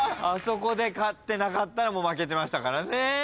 あそこで勝ってなかったら負けてましたからね。